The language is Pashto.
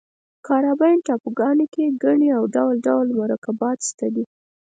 کارابین ټاپوګانو کې ګني او ډول ډول مرکبات شته دي.